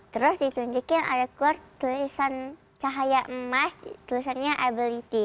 terus ditunjukin iek tulisan cahaya emas tulisannya ability